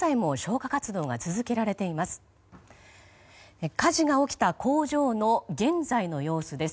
火事が起きた工場の現在の様子です。